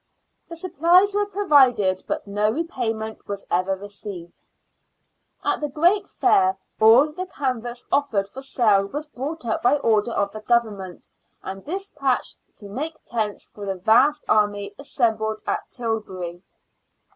The supplies were provided, but no repayment was ever received. At the great fair all the canvas offered for sale was bought up by order of the Government, and despatched to make tents for the vast army assembled at Tilbury.